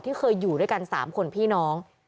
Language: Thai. เคยอยู่ด้วยกัน๓คนพี่น้อง